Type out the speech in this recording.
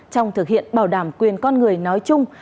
trong thực hiện bảo đảm quyền con người nói chung